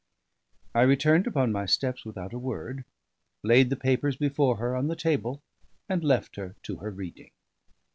I returned upon my steps without a word, laid the papers before her on the table, and left her to her reading.